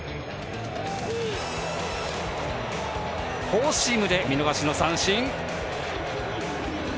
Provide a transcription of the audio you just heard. フォーシームで見逃しの三振。